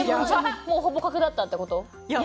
もうほぼ確だったって事？